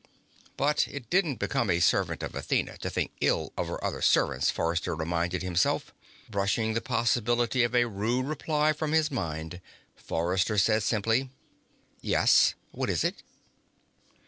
But it didn't become a servant of Athena to think ill of her other servants, Forrester reminded himself. Brushing the possibility of a rude reply from his mind, Forrester said simply: "Yes? What is it?"